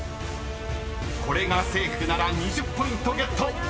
［これがセーフなら２０ポイントゲット］